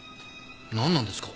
なんなんですか？